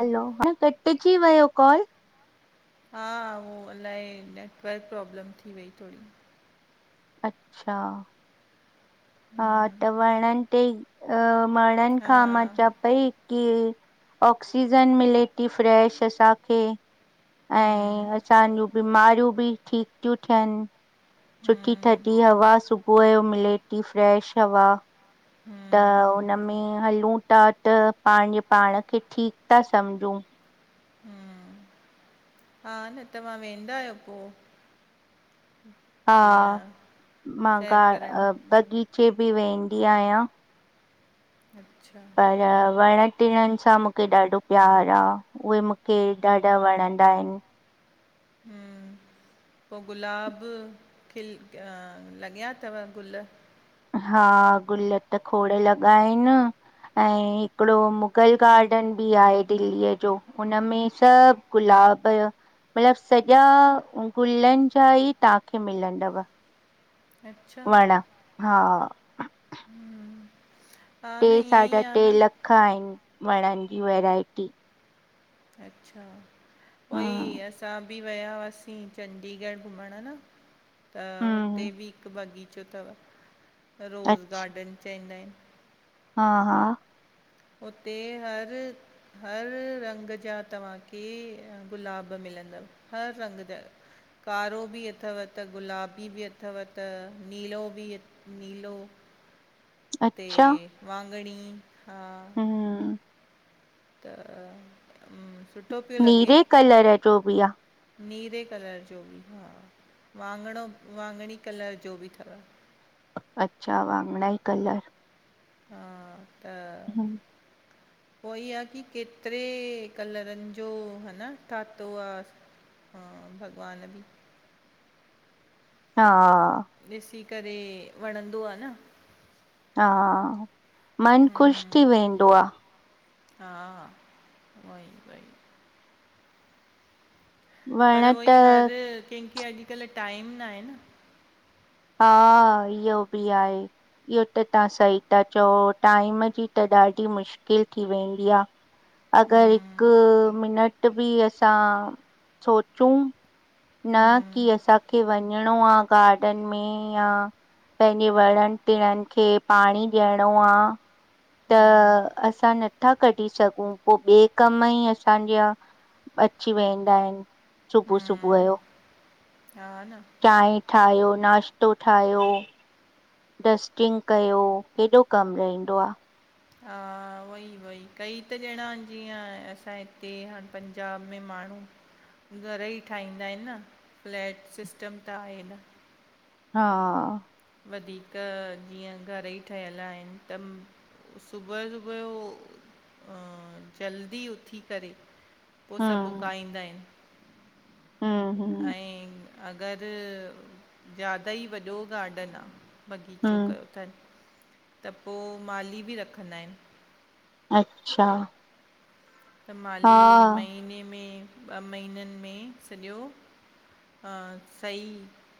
हलो, हा कट जी वियो कॉल? हा उहो, अलाए नेटवर्क प्रॉब्लम थी वई थोरी, अच्छा! हा हम्म, त वणन, ते अ वणन हा, खां, मां चवा पई की ऑक्सीजन, मिले थी ताज़ी, असांखे हम्म, ऐं, असांजूं बीमारियूं, बि ठीकु, थियूं थियनि सुठी, हम्म, ठधी, हवा सुबुह जो मिले थी, ताज़ी हवा, त, हम्म, हुनम में हलूं था, त पंहिंजे पाण, खे ठीकु था समझू, हम्म। हा, न तव्हां वेंदा, आहियो पोइ हा, मां सैर करण? बगीचे, बि वेंदी आहिया। अचछा, पर, वण टिणनि, सां मूंखे ॾाढो प्यारु, आ उहे मूंखे, ॾाढा वणंदा, आहिनि हू, पोइ, गुलाब, जा लॻिया अथव, गुल हा, गुल त खोड़, लॻा आहिनि। ऐं, हिकिड़ो मुगल, गार्डन बि आहे दिल्लीअ, जो हुनमें सभु गुलाब, यो मतिलबु सॼा गुलनि, जा ई तव्हांखे मिलंदव। अच्छा, वण, हा हा टे, न ईअं साढा ई आ टे न। लख, आहिनि, वणनि जा किस्म अच्छा! हम्म ऊहोई, असां बि वया हुआसीं चंडीगढ़, घुमणु न त, हुते हम्म बि हिकु बगीचो अथव, अ रोज़ गार्डन चवंदा, आहिनि। हा, हा हुते हर हर रंग जा, तव्हांखे गुलाब मिलंदव, हर रंग जा कारो बि अथव त गुलाबी बि अथव त नीलो बिअ नीलो ते अच्छा वाॻिणी हा हम्म त हू सुठो पियो लॻे नीरे कलर जो बि आ। नीरे कलर, जो बि हा वांॻिणो वांॻिणी कलर जो बि थव। अच्छा, वाङणाई कलर। हा त। हम्म। [inaudible] हो ई आ की केतिरे कलरनि जो ह न ठातो आ। हा भॻवान बि हा। ॾिसी करे वणंदो आ न हा मन ख़ुश हम्म थी वेंदो आ। हा वही- वही पर वण त वही हर कंहिंखे, अॼुकल्ह टाइम ना हे न हा इह्यो बि आहे। इहो त तहां सही ता चओ, टाइम जी त ॾाढी मुश्किल थी वेंदी आ। अगर हम्म हिकु मिनट बि असां सोचूं? न हम्म की असांखे वंञिंणो आ गार्डन मींहु आ पंहिंजे वणंनि टिणंनि खे पांणी ॾियणो आ। त हम्म असां नथा कढी सघूं, पो ॿे कम ई असांजा अची वेंदा इनि सुबुअ-सुबुअ हम्म यो। हा न। चांहें ठाहियो, नाश्तो ठाहियो डस्टिंग कयो, हेॾो कमु रहिंदो आ हा वई वई कई त ॼणां जीअं असांजे हिते हाणे पंजाब में माण्हू घर ई ठाहींदा इनि न फ्लैट सिस्टम त आहे न हा। वधीक जीअं, घर ई ठहियल आहिनि त? सुबुअ - सुबुअ यो अं जल्दी उथी करे? उ सभु हम्म उगाईंदा इनि। हम्म- हम्म। ऐं, अगरि ज्यादा ई वॾो गार्डन आ बगीचो हम्म कयो नि थन, त पो माली बि रखंदा इनि। अच्छा त हा माली महीने में ॿ महीनन में सॼो हा सही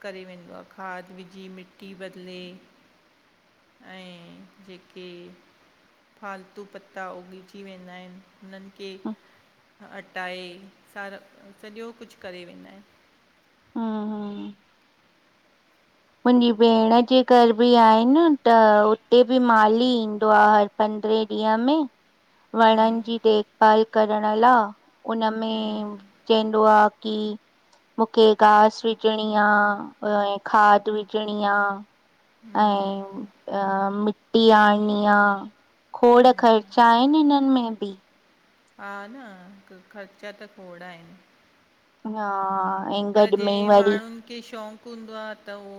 करे वेंदो, आ खाद विझी मिट्टी बदिले। ऐं जेके फालतू पत्ता उॻिजी वेंदा इनि हुननि खे हम्म हटाए सारा सॼो, कुछु करे वेंदा इनि। हा हा? मुंजी भेंण जे घर बि आहिनि त उते बि माली ईंदो आ हर पंद्रहें ॾींहं में वणंनि जी हम्म देख भाल करण ला, उनमें चइंदो आ की? मुखे घास, विझिणी आ अएं खाद विझिंणी आ हम्म ऐं मिट आह आणी, आह खोड़ ख़र्चा आहिन, हिनननि, में बी हा न ख़र्चा, त खोड़, आहिन [unintelligible] हा ऐं गॾ पर में जंहि, वरी माण्हुन। कहखे शौक़ हूंदो, आह, त उहो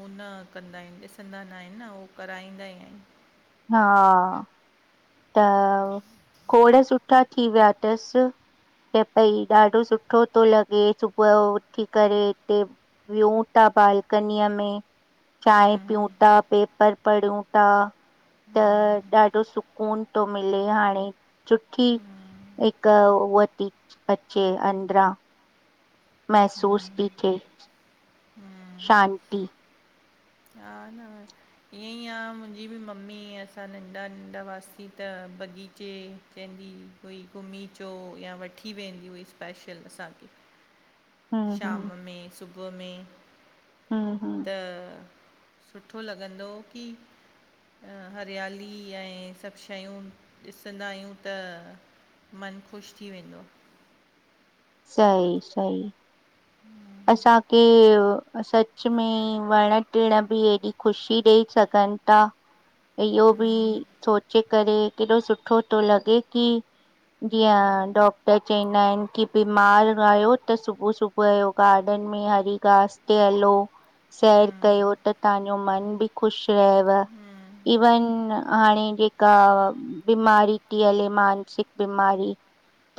उह न कंदा आहिन, ॾिसंदा न आहिन, न उहो कराईंदा ई। आहिन हा त खोड़ सुठा थी, विया थस चय पई ॾाढो, सुठो थो लॻे, सुबुह जो उथी करे हिते। वियू था बालकनीअ में चाय हम्म पीयुं था, पेपर पढ़ूं था, त ॾाढो सु सुकून थो मिले हाणे छुट्टी हिक हुअ ती अचे अंद्रा महसूस थी थिए हम्म शान्ती हा न आहे। ईअं ई आह मुंहिंजी बि मम्मी, असां नंढा नंढा हुआसीं त बग़ीचे चईंदी हुई कोई घुमी चो, या वठी वेंदी हुई स्पेशल असांखें हम्म शाम हम्म में, सुबुह में, हा त, सुठो लॻंदो हो की हरियाली ऐं सभ शयूं ॾिसंदा आहियूं त मन ख़ुश थी वेंदो सही, सही असांखे सच में वण टिण बी हेॾी ख़ुशी ॾेई सघन ता इहो बी सोचे करे, केॾो सुठो थो लॻे की जीअं डॉक्टर चयंदा आहिन की बीमार आहियो त सुबुह सुबुह जो गार्डन में हरी घास ते हलो सैर कयो त तहांजो मन भी ख़ुश रहेव इवन, हाणे जेका बीमारी थी हले, मानसिक बीमारी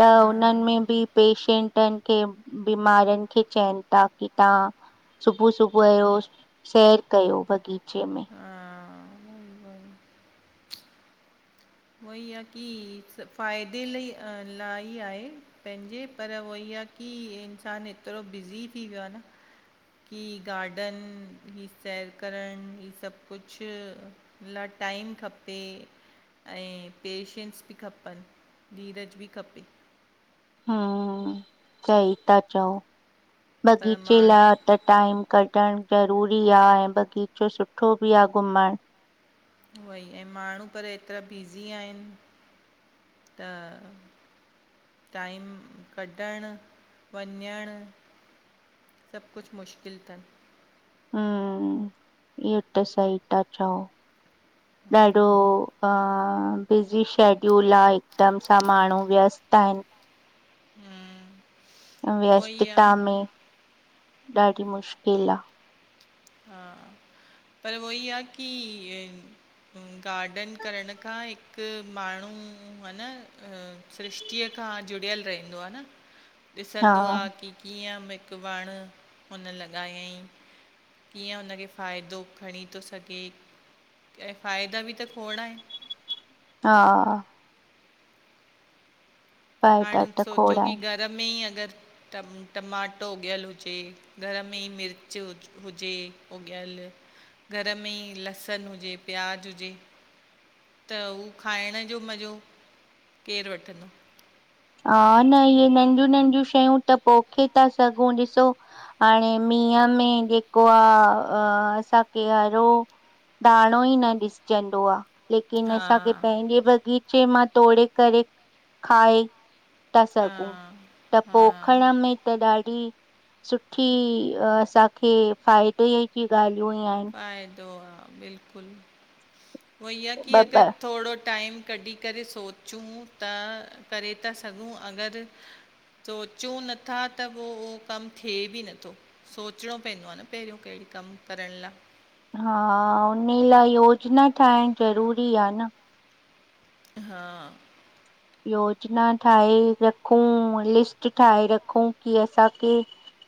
त हा उन्हनि में बी पेशंटननिं खे बीमारियुनि खे चयन था की तहां सुबुह, सुबुह उहो सैर कयो बगीचे में हा उहो ई आह की, फ़ाइदे लाइ लाइ आहे पंहिंजे पर उहो ई आहे की इंसान एतरो बिज़ी थी वियो आहे न की गार्डन, हीअ सैर करण, ही सभ कुछ हुन लाय टाइम खपे। ऐं पेशंस बी खपन, धीरज बी खपे। हां सई था चओ पर बगीचे माण्हू लाइ त टाइम कढणु ज़रूरी आहें, ऐं बगीचो सुठो बी आह घुमण उहेई, ऐं माण्हूं पर एतरा बिज़ी आहिन त टाइम कढण, वञण सभ कुछ मुश्किल थन हमम, ईहो त सईं ता चओ [inaudible] ॾाढो अ बिजीऊ शेड्यूल आ, हिकदमि सां माण्हूं व्यस्त आहिनि। उहो ई व्यस्तता आहे में, ॾाढी मुश्किल आ। हा, पर वो ही आ की गार्डन करण खां हिकु माण्हूं ह न सृष्टिअ खां जुड़ियल रहिंदो आ न। हा ॾिसंदो आ की कीअं हिकु वणुं हुन लॻायंई कीअं उनखे फ़ाइदो खणीं तो सघे, ऐं फ़ाइदा बि त खोड़ आहिनि। हा पटाटा हाणे त सोच्यो खोड़ा की आहिन। घर में ईं अगरि टम टमाटो उगियल हुजे, घर में ईं मिर्च हु हुजे उगयल। घर में ई लहसनु हुजे, प्याज हुजे त उ खाइण जो मज़ो केरु वठंदो? हा न, इह्ये नंढियूं- नंढियूं शयूं त पोखे ता सघुं ॾिसो हाणे मींहं में जेको आ असांखे हरो दाणों ई न ॾिसजंदो आ लेकिन हा असांखे पंहिंजे बगीचे मां तोड़े करे खाए था हा सघूं त हा पो खंण में त ॾाढी सुठी असांखे फाइदे जी ॻाल्हियूं ई आहिनि फायदो आ बिल्कुलु वही आ की ॿ अगरि ॿ थोड़ो टाइम कढी करे सोचूं त करे ता सघूं अगरि सोचूं नथा त पो उहो कमु थिए बि नथो सोचिणो पैंदो आ न पहिरियों कहिड़ो कमु करण ला हा उन्हे लाए योजना ठाहिण जरूरी आ न हा। योजना ठाहे रखूं, लिस्ट ठाहे रखूं की असांखे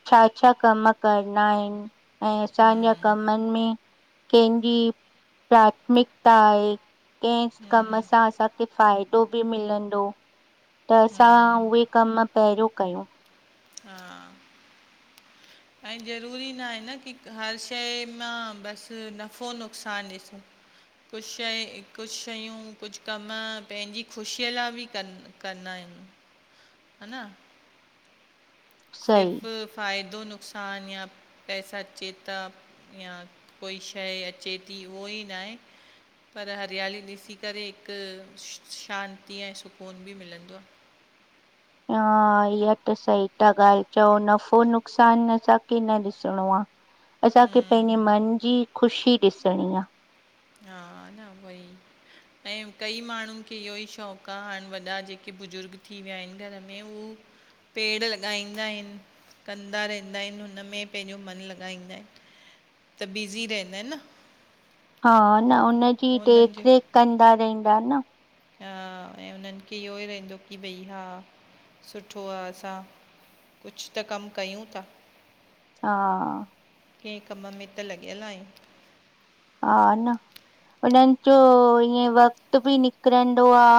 छा -छा कम करणा इनि ऐं असांजा हम्म कमनि में कंहिंजी प्राथमिकता आहे केंहे कम हम्म सां असांखे फाइदो बि मिलंदो त असां हम्म उहे कम पहिरियों कयूं हा। ऐं जरूरी ना हे न की हर शइ मां बसि नफो नुकसानु ॾिसूं कुछु शइ, कुछु शयूं, कुछु कम पंहिंजी खुशीअ लाए बि कनि कंदा आहियूं हा न सही सिर्फु फाइदो, नुकसान या पैसा चेता या कोई शंइ अचे ती उहो ई ना हे पर हरियाली ॾिसी करे हिकु शांती ऐं सुकून बि मिलंदो आ। ह इह्या त सही ता ॻाल्हि चओ नफो नुकसान असांखे न ॾिसणो आ असांखे पंहिंजे मन जी खुशी ॾिसणीं आ हा न उवहई ऐं कई माण्हुनि खे इह्यो ई शौकु आ हाणे वॾा जेके बुजुर्ग थी विया हिनि घर में हु पेड़ लॻाईंदा इनि कंदा रहिंन्दा इनि हुनमें पंहिंजो मनु लॻाईंदा इनि त बिज़ी रहंदा इनि न हा न उन्ह जी उन्हनि जो देख रेख कंदा रहिंदा न हा ऐं उन्हनि खे इह्यो ई रहिंदो की भई हा सुठो आ असां कुछु त कमु कयूं था? हा। कंहिं कम में त लॻियल आहियू। हा न। हुननि जो ईअ वक्तु बि निकिरंदो आ।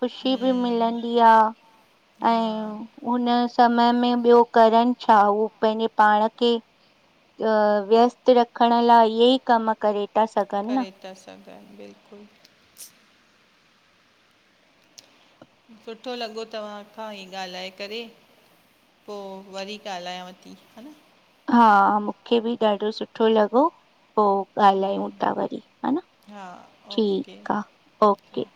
खुशी बि हम्म मिलंदी आ हा ऐं। हुन समय में ॿियो करण छा हू पंहिंजे पाण खे। अ व्यस्त रखण लाइ इहे ई कम करे था, सघनि न। त सघनि बिल्कुलु। [unintelligible] सुठो लॻो तव्हां खां ईअं ॻाल्हाए करे। पोइ वरी ॻाल्हायांव थी ह न। हा मूंखे बि ॾाढो सुठो लॻो पो। ॻाल्हायूं था वरी हा न हा ओके ठीक आ ओके।